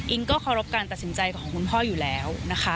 เคารพการตัดสินใจของคุณพ่ออยู่แล้วนะคะ